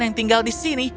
yang tinggal di sini